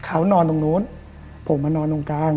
เขานอนตรงนู้นผมมานอนตรงกลาง